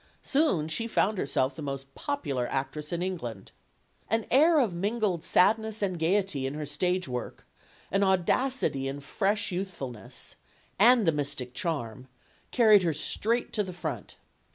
Soon she found herself the most popular actress in England. An air of mingled sadness and gayety in her stage work, an audacity and fresh youthfulness and the mystic charm carried her straight to the front.